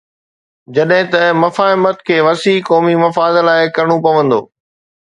جڏهن ته مفاهمت کي وسيع قومي مفاد لاءِ ڪرڻو پوندو.